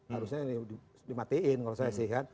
harusnya dimatein kalau saya sih